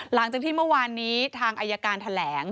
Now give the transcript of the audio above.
หลังจากที่เมื่อวานนี้ทางอายการแถลง